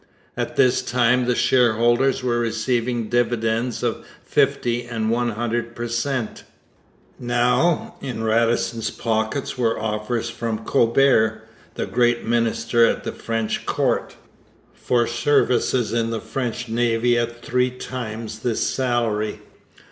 At this time the shareholders were receiving dividends of fifty and one hundred per cent. Now, in Radisson's pockets were offers from Colbert, the great minister at the French Court, for service in the French Navy at three times this salary.